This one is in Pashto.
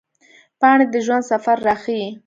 پاڼې د ژوند سفر راښيي